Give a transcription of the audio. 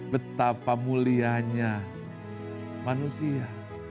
betapa mulianya manusia